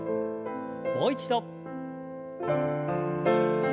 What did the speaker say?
もう一度。